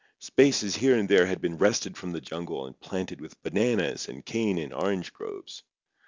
Spaces here and there had been wrested from the jungle and planted with bananas and cane and orange groves.